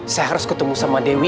saya harus ketemu sama dewi